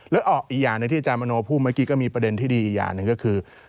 อียานึงที่จามโมโนพูดเมื่อกี้ก็มีประเด็นที่ดีอียานึงก็คือ